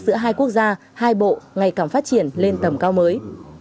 giữa hai quốc gia hai bộ ngày càng phát triển lên tầm cao mới